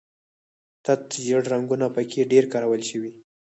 تت ژیړ رنګونه په کې ډېر کارول شوي.